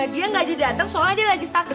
dia gak jadi dateng soalnya dia lagi sakit